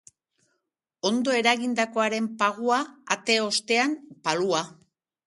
Ondo egindakoaren pagua: ate ostean palua.